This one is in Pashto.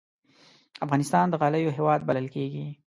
افغانستان د غالیو هېواد بلل کېږي.